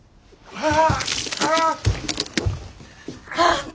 ああ！